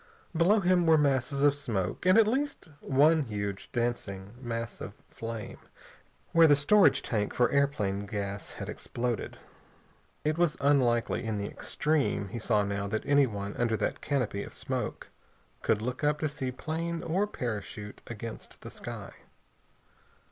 Below him were masses of smoke and at least one huge dancing mass of flame, where the storage tank for airplane gas had exploded. It was unlikely in the extreme, he saw now, that anyone under that canopy of smoke could look up to see plane or parachute against the sky.